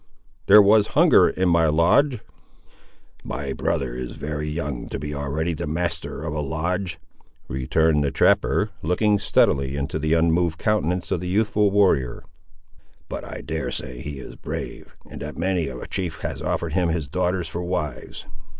There was hunger in my lodge." "My brother is very young to be already the master of a lodge," returned the trapper, looking steadily into the unmoved countenance of the youthful warrior; "but I dare say he is brave, and that many a chief has offered him his daughters for wives.